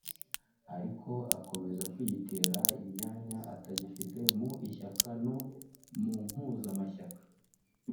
Ariko akomeza kwiyitirira imyanya atagifite mu ishyaka no mu mpuzamashyaka